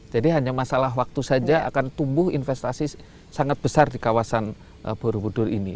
jadi hanya masalah waktu saja akan tumbuh investasi sangat besar di kawasan borobudur ini